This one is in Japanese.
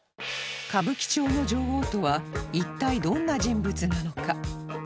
歌舞伎町の女王とは一体どんな人物なのか？